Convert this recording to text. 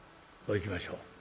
こういきましょう。